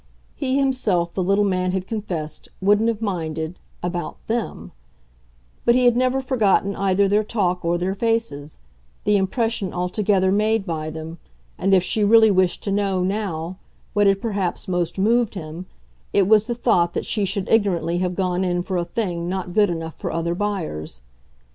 He himself, the little man had confessed, wouldn't have minded about THEM; but he had never forgotten either their talk or their faces, the impression altogether made by them, and, if she really wished to know, now, what had perhaps most moved him, it was the thought that she should ignorantly have gone in for a thing not good enough for other buyers.